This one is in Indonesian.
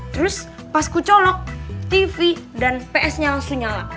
terus pas ku colok tv dan psnya langsung nyala